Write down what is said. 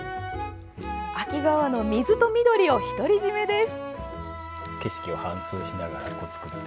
秋川の水と緑を独り占めです。